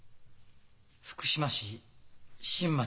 福島市新町